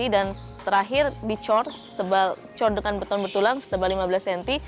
dan terakhir dicor dengan beton bertulang setebal lima belas cm